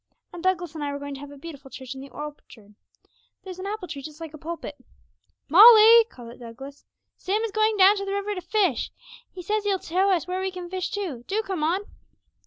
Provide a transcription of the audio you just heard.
And Douglas and I were going to have a beautiful church in the orchard. There's an apple tree just like a pulpit.' 'Molly,' called out Douglas, 'Sam is going down to the river to fish; he says he'll show us where we can fish too; do come on!'